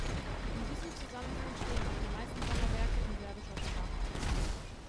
In diesem Zusammenhang stehen auch die meisten seiner Werke in serbischer Sprache.